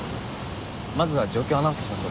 まずは状況をアナウンスしましょうか。